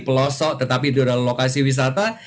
pelosok tetapi di lokasi wisata